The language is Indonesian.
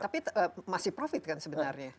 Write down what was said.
tapi masih profit kan sebenarnya